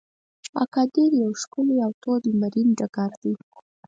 اګادیر یو ښکلی او تود لمرین ډګر دی.